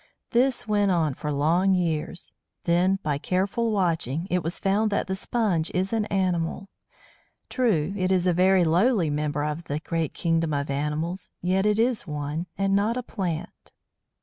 This went on for long years. Then, by careful watching, it was found that the Sponge is an animal. True, it is a very lowly member of the great kingdom of animals, yet it is one, and not a plant.